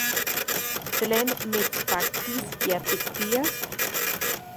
¿Tlen mitspaktiskia tikpias?